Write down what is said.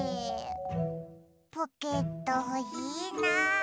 ポケットほしいな。